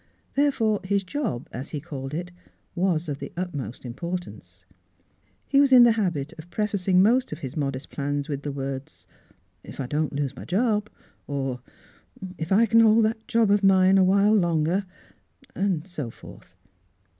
Therefore his " job " as he called it, was of the ut most importance. He was in the habit of prefacing most of his modest plans with the words " If I don't lose my job," or " If I c'n hold down that job of mine awhile longer, I'll —" and so forth.